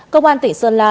công an tỉnh sơn la